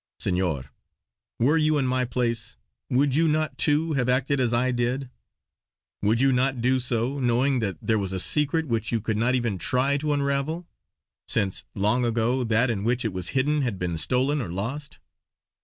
Senor, were you in my place, would you not, too, have acted as I did? Would you not do so, knowing that there was a secret which you could not even try to unravel, since long ago that in which it was hidden had been stolen or lost.